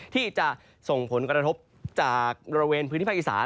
ที่จะส่งผลกระทบจากบริเวณพื้นที่ภาคอีสาน